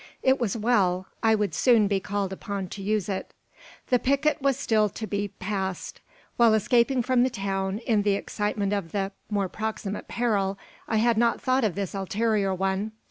It was well. I would soon be called upon to use it. The picket was still to be passed. While escaping from the town, in the excitement of the more proximate peril I had not thought of this ulterior one.